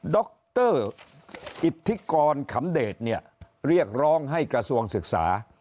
ดรอิบทิกรขำเดชเรียกร้องให้กระทรวงศึกษา